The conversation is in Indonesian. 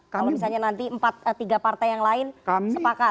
kalau misalnya nanti tiga partai yang lain sepakat